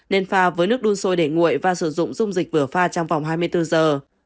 nên pha với nước đun sôi để nguội và sử dụng dung dịch vừa pha trong vòng hai mươi bốn giờ